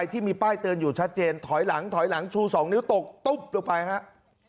ที่มีป้ายเตือนอยู่ชัดเจนถอยหลังถอยหลังชู๒นิ้วตกตุ๊บลงไปครับ